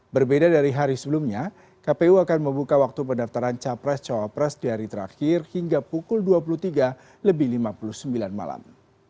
berbeda dari hari sebelumnya kpu akan membuka waktu pendaftaran capres cawapres di hari terakhir hingga pukul dua puluh tiga lebih lima puluh sembilan malam